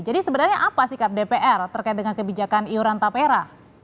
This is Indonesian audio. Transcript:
jadi sebenarnya apa sikap dpr terkait dengan kebijakan iuran taperra